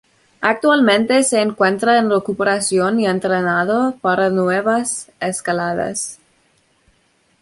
Actualmente se encuentra en recuperación y entrenando para nuevas escaladas.